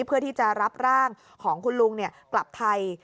เพื่อที่จะรับร่างของคุณลุงกลับไทย